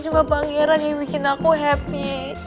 cuma pangeran yang bikin aku happy